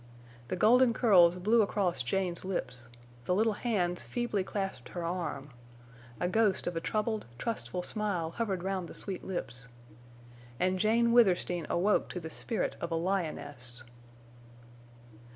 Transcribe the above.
The golden curls blew across Jane's lips; the little hands feebly clasped her arm; a ghost of a troubled, trustful smile hovered round the sweet lips. And Jane Withersteen awoke to the spirit of a lioness.